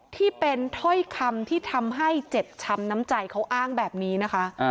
ที่เป็นถ้อยคำที่ทำให้เจ็บช้ำน้ำใจเขาอ้างแบบนี้นะคะ